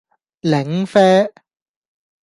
檸啡